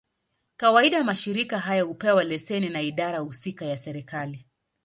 Kawaida, mashirika haya hupewa leseni na idara husika ya serikali.